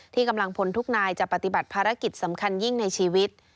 กำลังพลทุกนายจะปฏิบัติภารกิจสำคัญยิ่งในชีวิต